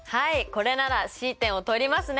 これならＣ点を通りますね！